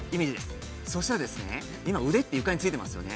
◆そしたら、今、腕って床についていますよね。